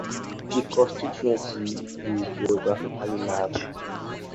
The constituency is geographically large.